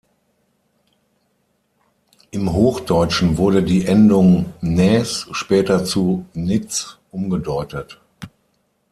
Im Hochdeutschen wurde die Endung "-næs" später zu "-nitz" umgedeutet.